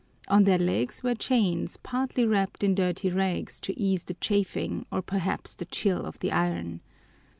On their legs were chains partly wrapped in dirty rags to ease the chafing or perhaps the chill of the iron.